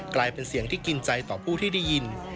กลายเป็นเสียงที่กินใจต่อผู้ที่ได้ยิน